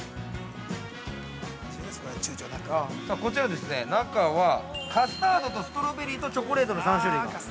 ◆こちらは中は、カスタードとストロベリーとチョコレートの３種類が。